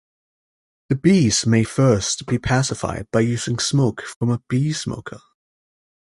The bees may first be pacified by using smoke from a bee smoker.